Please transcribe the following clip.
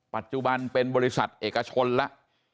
ปัจจุบันเป็นบริษัทเอกชนแล้ว